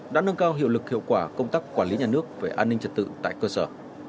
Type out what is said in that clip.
đã nâng cao hiệu lực hiệu quả công tác quản lý nhà nước về an ninh trật tự tại cơ sở